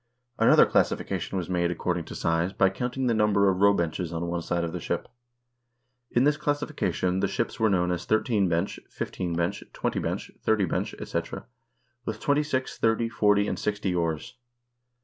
Another classification was made according to size by counting the number of row benches on one side of the ship. In this classification the ships were known as thirteen bench, fifteen bench, twenty bench, thirty bench ; etc., with twenty six, thirty, forty, and sixty oars.